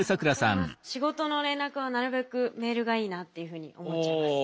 仕事の連絡はなるべくメールがいいなっていうふうに思っちゃいます。